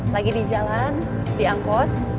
lagi di jalan di angkot